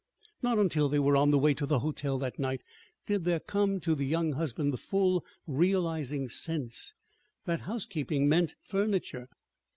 Not until they were on the way to the hotel that night did there come to the young husband the full realizing sense that housekeeping meant furniture.